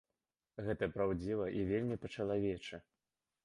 Гэта праўдзіва і вельмі па-чалавечы.